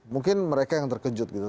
mungkin mereka yang terkejut gitu